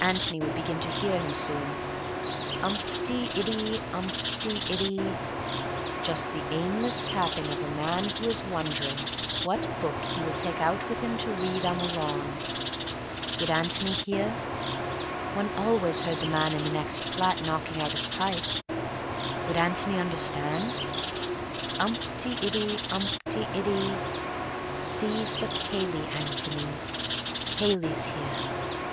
Antony would begin to hear him soon. Umpt y iddy umpt y iddy; just the aimless tapping of a man who is wondering what book he will take out with him to read on the lawn. Would Antony hear? One always heard the man in the next flat knocking out his pipe. Would Antony understand? Umpt y iddy umpt y iddy. C. for Cayley, Antony. Cayley's here.